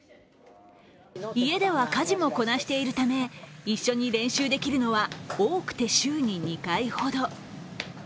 家では家事もこなしているため、一緒に練習できるのは多くて週に２回ほど。